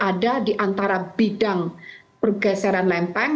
ada juga yang berada di antara bidang pergeseran lempeng